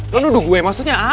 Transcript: lu nuduh gue maksudnya apa